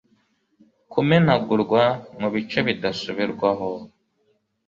kumenagurwa mubice bidasubirwaho